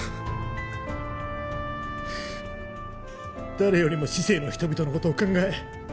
誰よりも市井の人々の事を考え